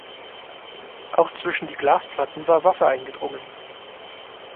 Auch zwischen die Glasplatten war Wasser eingedrungen.